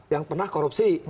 yang pernah korupsi